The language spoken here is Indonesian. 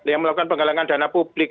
yang melakukan penggalangan dana publik